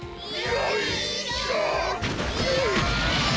よいしょ！